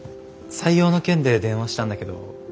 採用の件で電話したんだけど。